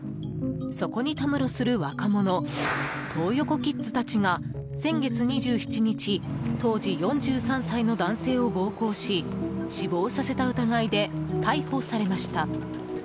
そこにたむろする若者トー横キッズたちが先月２７日当時４３歳の男性を暴行し死亡させた疑いで逮捕されました。